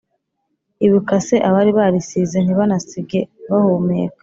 ibuka se abari barisize ntibanabasige bahumeka